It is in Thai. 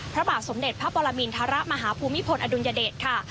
พระบาทสมเด็จพระปรมินทรมาฮภูมิพลอดุลยเดชค่ะ